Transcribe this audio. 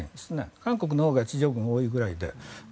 韓国のほうが地上軍が多いぐらいで。